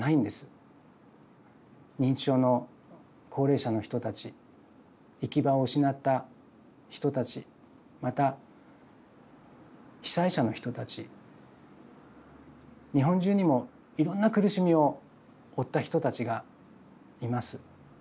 認知症の高齢者の人たち行き場を失った人たちまた被災者の人たち日本中にもいろんな苦しみを負った人たちがいます。